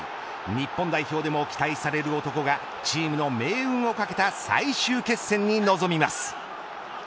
日本代表でも期待される男がチームの命運をかけた最終決戦に臨みます。